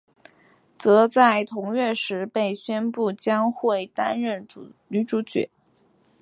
则在同月时被宣布将会担任女主角。